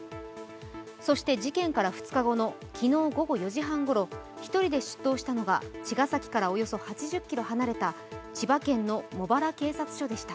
そして事件から２日後の昨日午後４時半ごろ、１人で出頭したのが茅ヶ崎からおよそ８０ｋｍ離れた千葉県の茂原警察署でした。